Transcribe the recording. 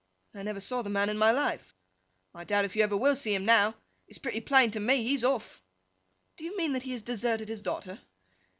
'I never saw the man in my life.' 'I doubt if you ever will see him now. It's pretty plain to me, he's off.' 'Do you mean that he has deserted his daughter?